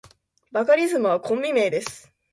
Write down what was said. バカリズムはコンビ名です。